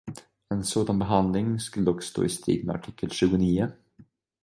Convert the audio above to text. En sådan behandling skulle dock stå i strid med artikel tjugonio.